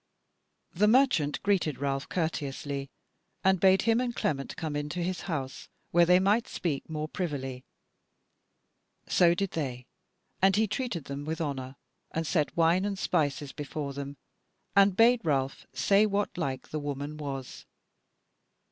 The merchant greeted Ralph courteously, and bade him and Clement come into his house, where they might speak more privily. So did they, and he treated them with honour, and set wine and spices before them, and bade Ralph say whatlike the woman was.